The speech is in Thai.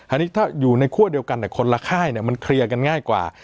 อันนี้ถ้าอยู่ในคั่วเดียวกันแต่คนละค่ายมันเคลียร์กันง่ายกว่า